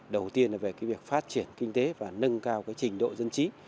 đầu tiên là về việc phát triển kinh tế và nâng cao trình độ dân trí